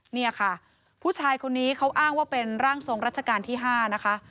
เนี่ยค่ะผู้ชายคนนี้เขาอ้างว่าเป็นร่างทรงรัชกาลที่๕นะคะ